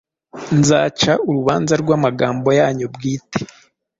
nzaca urubanza rw’amagambo yanyu bwite.”